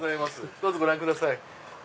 どうぞご覧ください。